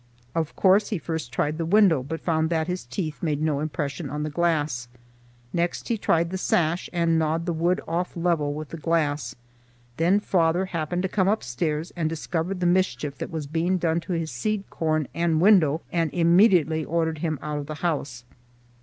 Of course he first tried the window, but found that his teeth made no impression on the glass. Next he tried the sash and gnawed the wood off level with the glass; then father happened to come upstairs and discovered the mischief that was being done to his seed corn and window and immediately ordered him out of the house.